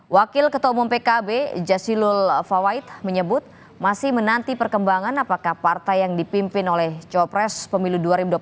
wakil ketua umum pkb jasilul fawait menyebut masih menanti perkembangan apakah partai yang dipimpin oleh copres pemilu dua ribu dua puluh